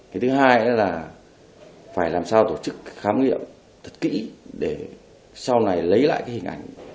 cái thứ hai là phải làm sao tổ chức khám nghiệm thật kỹ để sau này lấy lại hình ảnh của nạn nhân